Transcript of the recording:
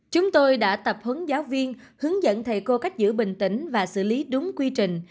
chúng tôi đã tập huấn giáo viên hướng dẫn thầy cô cách giữ bình tĩnh và xử lý đúng quy trình